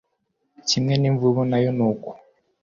Kimwe n'imvubu nayo nuko